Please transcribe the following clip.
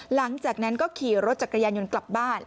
หลังจากนั้นก็ขี่รถจักรยานยนต์กลับบ้าน